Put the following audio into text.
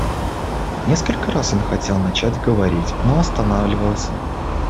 Несколько раз он хотел начать говорить, но останавливался.